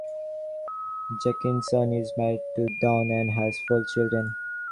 Jenkinson is married to Dawn and has four children.